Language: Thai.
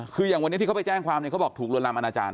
คืออย่างวันนี้ที่เขาไปแจ้งความเนี่ยเขาบอกถูกลวนลามอนาจาร